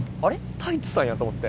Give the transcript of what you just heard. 太一さんやと思って。